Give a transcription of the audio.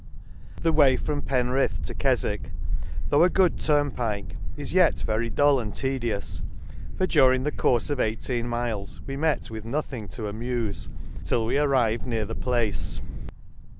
The way fromPfiNRit h to Keswick;* though a good turnpike, is yet very dull and tedious ; for, during the conrle of eighteen miles, we met with nothing to amufe, till we arrived near the place.